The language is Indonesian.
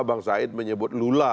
bang sa'id menyebut lula